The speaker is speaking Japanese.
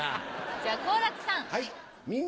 じゃ好楽さん。